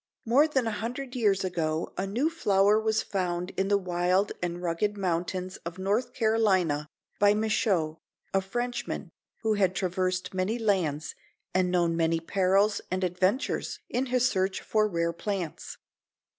More than a hundred years ago a new flower was found in the wild and rugged mountains of North Carolina by Michaux, a Frenchman, who had traversed many lands and known many perils and adventures in his search for rare plants.